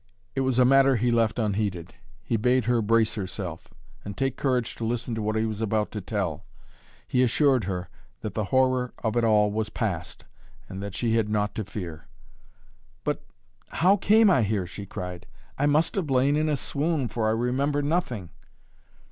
It was a matter he left unheeded. He bade her brace herself, and take courage to listen to what he was about to tell. He assured her that the horror of it all was passed and that she had naught to fear. "But how came I here?" she cried. "I must have lain in a swoon, for I remember nothing."